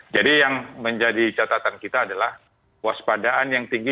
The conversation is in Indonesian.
jadi yang menjadi catatan kita adalah waspadaan yang tinggi